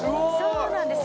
そうなんです